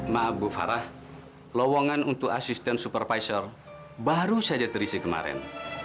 maaf bu farah lowongan untuk asisten supervisor baru saja terisi kemarin